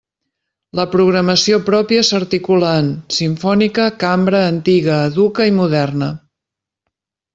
La programació pròpia s'articula en: simfònica, cambra, antiga, educa i moderna.